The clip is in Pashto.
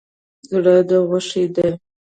زړه ده غوښی دی